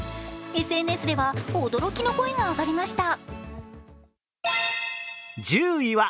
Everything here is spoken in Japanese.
ＳＮＳでは驚きの声が上がりました。